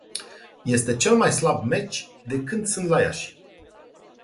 Este cel mai slab meci de când sunt la Iași.